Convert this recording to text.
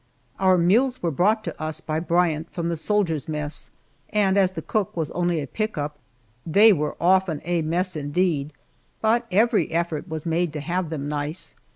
Our meals were brought to us by Bryant from the soldiers' mess, and as the cook was only a pick up, they were often a mess indeed, but every effort was made to have them nice.